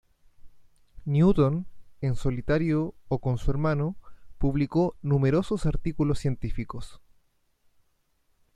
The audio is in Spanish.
Newton, en solitario o con su hermano, publicó numerosos artículos científicos.